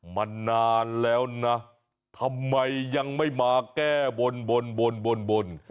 มานานแล้วนะทำไมยังไม่มาแก้บนบน